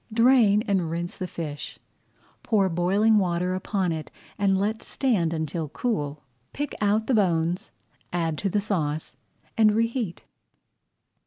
Drain and rinse the fish, pour boiling water upon it and let stand until cool. Pick out the bones, add to the sauce, and reheat.